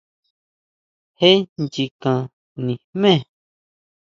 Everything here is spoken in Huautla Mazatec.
Jé nchikan nijme.